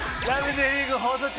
Ｊリーグ』放送中。